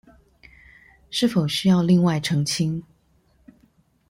是否需要另外澄清